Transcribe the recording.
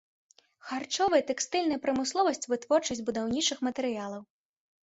Харчовая і тэкстыльная прамысловасць, вытворчасць будаўнічых матэрыялаў.